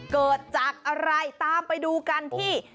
เกิดจากอะไรตามไปดูกันที่